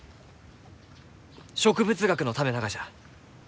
植物学のためながじゃ！